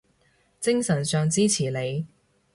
精神上支持你